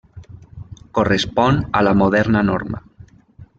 Correspon a la moderna Norma.